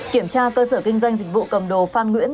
kiểm tra cơ sở kinh doanh dịch vụ cầm đồ phan nguyễn